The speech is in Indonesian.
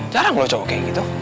jarang loh coba kayak gitu